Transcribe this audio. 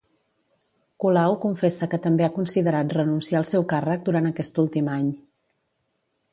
Colau confessa que també ha considerat renunciar al seu càrrec durant aquest últim any.